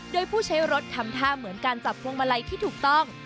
โดยผู้ใช้รถทำท่าเหมือนการจับพวงมาลัยที่ถูกต้อง